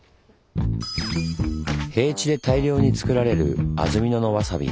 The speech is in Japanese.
平地で大量につくられる安曇野のわさび。